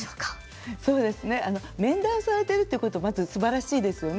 面談されているっていうことはまず、すばらしいですよね。